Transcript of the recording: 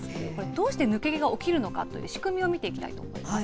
どうして抜け毛が起きるのかという仕組みを見ていきたいと思います。